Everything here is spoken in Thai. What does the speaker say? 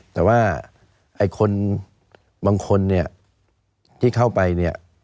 แต่ว่าบางคนที่เข้าไป